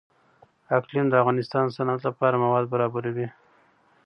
اقلیم د افغانستان د صنعت لپاره مواد برابروي.